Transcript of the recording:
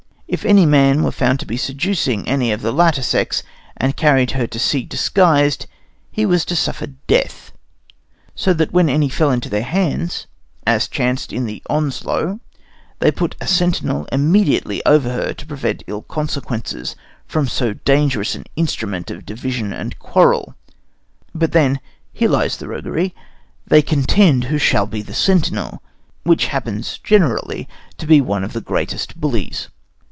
If any man were found seducing any of the latter sex, and carried her to sea disguised, he was to suffer death. (So that when any fell into their hands, as it chanced in the Onslow, they put a sentinel immediately over her to prevent ill consequences from so dangerous an instrument of division and quarrel; but then here lies the roguery they contend who shall be sentinel, which happens generally to one of the greatest bullies.)